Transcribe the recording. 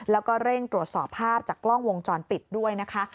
แล้วก็เร่งตรวจสอบภาพจากกล้องวงจรปิดด้วยนะคะ